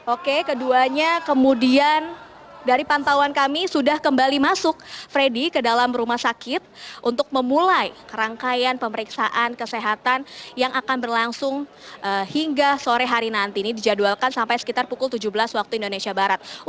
oke keduanya kemudian dari pantauan kami sudah kembali masuk freddy ke dalam rumah sakit untuk memulai rangkaian pemeriksaan kesehatan yang akan berlangsung hingga sore hari nanti ini dijadwalkan sampai sekitar pukul tujuh belas waktu indonesia barat